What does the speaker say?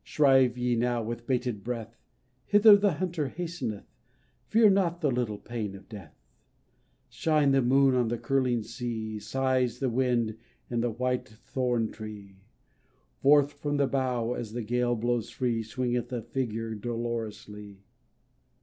Shrive ye now with bated breath ; Hither the hunter hasteneth, Fear not the little pain of death ! i 4 THE IRISH FRANCISCAN Shines the moon on the curling sea, Sighs the wind in the white thorn tree ; Forth from the bough as the gale blows free Swingeth a figure dolorously.